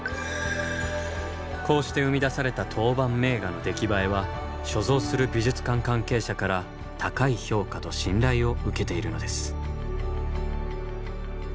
こうして生み出された陶板名画の出来栄えは所蔵する美術館関係者から高い評価と信頼を受けているのです。